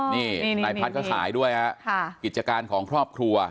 นายพัชก็ขายด้วยกิจการของครอบครัว